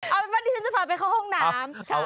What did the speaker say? เอาเป็นว่าดิฉันจะพาไปเข้าห้องน้ำ